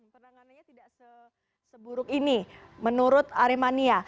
penanganannya tidak seburuk ini menurut aremania